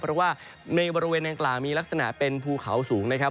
เพราะว่าในบริเวณดังกล่าวมีลักษณะเป็นภูเขาสูงนะครับ